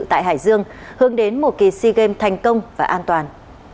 tại hải dương hướng đến một kỳ sea games thành công và an toàn